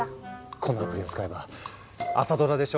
このアプリを使えば朝ドラでしょ？